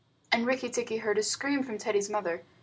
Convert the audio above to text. And Rikki tikki heard a scream from Teddy's mother.